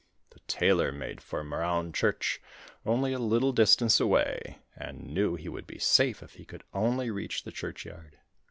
The Tailor made for Marown Church, only a little distance away, and knew he would be safe if he could only reach the churchyard.